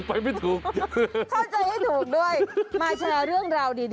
เข้าใจให้ถูกด้วยมาแชร์เรื่องราวดี